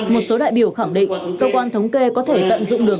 một số đại biểu khẳng định cơ quan thống kê có thể tận dụng được